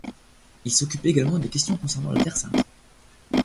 Il s'occupe également des questions concernant la Terre sainte.